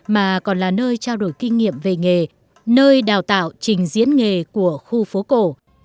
mà còn là nơi trao đổi kinh nghiệm về nghề nơi đào tạo trình diễn nghề của khu phố cổ